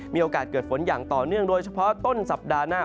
มีโอกาสเกิดฝนอย่างต่อเนื่องโดยเฉพาะต้นสัปดาห์หน้า